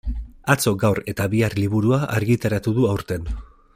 Atzo, gaur eta bihar liburua argitaratu du aurten.